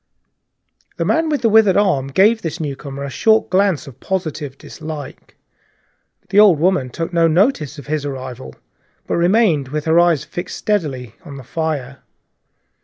The man with the withered hand gave the newcomer a short glance of positive dislike; the old woman took no notice of his arrival, but remained with her eyes fixed steadily on the fire.